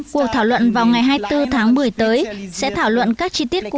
cuộc thảo luận vào ngày hai mươi bốn tháng một mươi tới sẽ thảo luận các chi tiết của